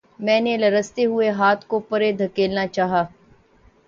میں نے لرزتے ہوئے ہاتھ کو پرے دھکیلنا چاہا